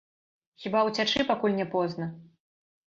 Хіба ўцячы, пакуль не позна?